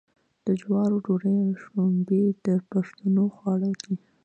د جوارو ډوډۍ او شړومبې د پښتنو خواړه دي.